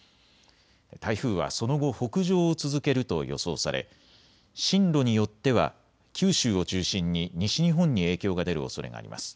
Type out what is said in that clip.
台風はその後、北上を続けると予想され進路によっては九州を中心に西日本に影響が出るおそれがあります。